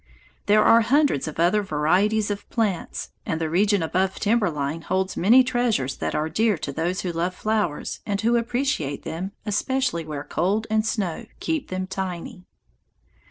There are hundreds of other varieties of plants, and the region above timber line holds many treasures that are dear to those who love flowers and who appreciate them especially where cold and snow keep them tiny.